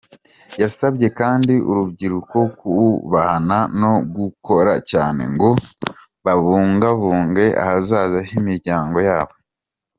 Yasabye kandi urubyiruko kubahana no gukora cyane ngo babungabunge ahazaza h’imiryango yabo.